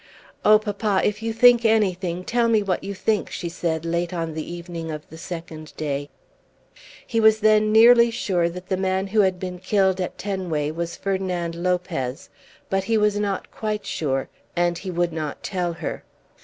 "Oh, papa, if you think anything, tell me what you think," she said late on the evening of the second day. He was then nearly sure that the man who had been killed at Tenway was Ferdinand Lopez; but he was not quite sure, and he would not tell her.